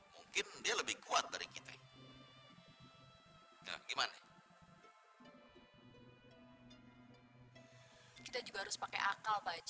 mungkin dia lebih kuat dari kita ya gimana kita juga harus pakai akal baik